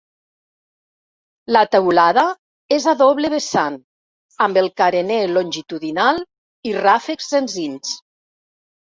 La teulada és a doble vessant amb el carener longitudinal i ràfecs senzills.